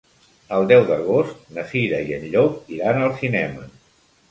El deu d'agost na Cira i en Llop iran al cinema.